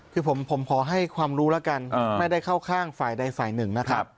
คือผมขอให้ความรู้แล้วกันไม่ได้เข้าข้างฝ่ายใดฝ่ายหนึ่งนะครับ